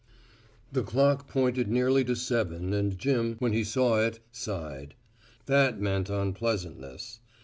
The clock pointed nearly to seven and Jim, when he saw it, sighed. That meant unpleasantness.